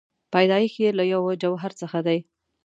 پیدایښت یې له یوه جوهر څخه دی.